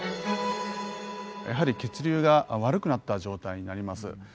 やはり血流が悪くなった状態になります。